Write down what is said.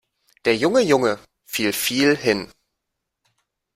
Der junge Junge fiel viel hin.